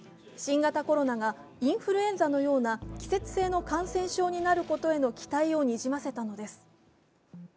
新型コロナがインフルエンザのような季節性の感染症になることへの期待をにじませたのです。